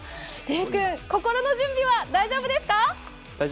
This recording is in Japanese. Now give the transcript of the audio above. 礼君、心の準備は大丈夫ですか？